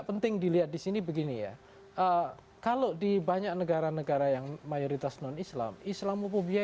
penting dilihat di sini begini ya kalau di banyak negara negara yang mayoritas non islam islamophobia